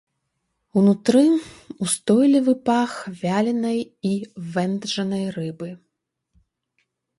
Унутры ўстойлівы пах вяленай і вэнджанай рыбы.